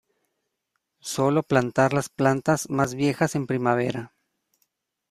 Sólo plantar las plantas más viejas en primavera.